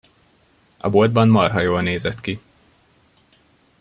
A boltban marha jól nézett ki.